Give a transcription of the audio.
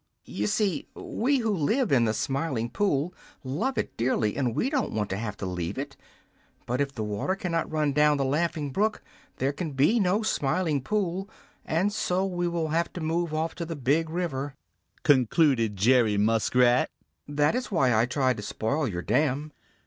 "You see, we who live in the Smiling Pool love it dearly, and we don't want to have to leave it, but if the water cannot run down the Laughing Brook, there can be no Smiling Pool, and so we will have to move off to the Big River," concluded Jerry Muskrat. "That is why I tried to spoil your dam."